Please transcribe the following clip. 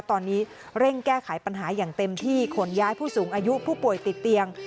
ตอนนี้เร่งแก้ไขปัญหาอย่างเต็มที่ขนย้ายผู้สูงอายุผู้ป่วยติดเตียง